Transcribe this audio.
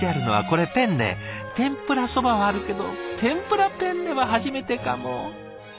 天ぷらそばはあるけど天ぷらペンネは初めてかも。